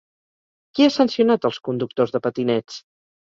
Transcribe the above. Qui ha sancionat els conductors de patinets?